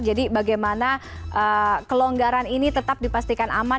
jadi bagaimana kelonggaran ini tetap dipastikan aman